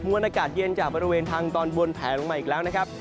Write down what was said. วนอากาศเย็นจากบริเวณทางตอนบนแผลลงมาอีกแล้วนะครับ